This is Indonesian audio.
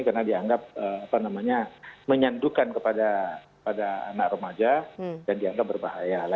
karena dianggap menyandukan kepada anak remaja dan dianggap berbahaya